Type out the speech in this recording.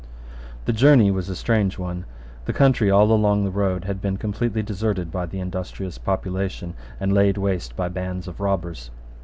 The journey was a strange one. The country all along the road had been completely deserted by the industrious population, and laid waste by bands of robbers.